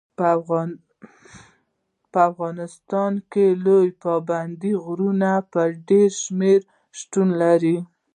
په افغانستان کې لوړ پابندي غرونه په ډېر شمېر شتون لري.